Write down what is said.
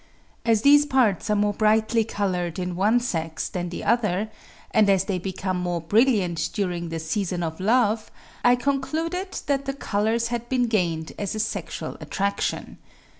As these parts are more brightly coloured in one sex than the other, and as they become more brilliant during the season of love, I concluded that the colours had been gained as a sexual attraction.